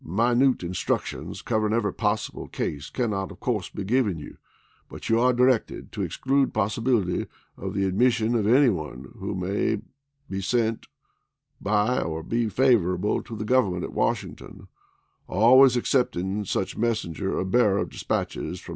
Minute in structions covering every possible case cannot of course be given you, but you are directed to exclude possibility of the admission of any one who may be sent by or be favorable to the Government at Washington, always ex waiker cepting such messenger or bearer of dispatches from that gaM?